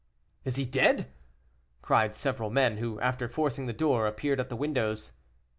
"Is he dead?" cried several men who, after forcing the door, appeared at the windows.